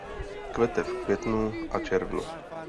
Kvete v květnu a červnu.